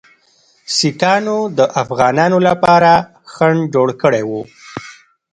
سیکهانو د افغانانو لپاره خنډ جوړ کړی وو.